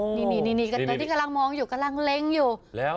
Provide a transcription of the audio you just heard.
นี่ตอนที่กำลังมองอยู่กำลังเล้งอยู่แล้ว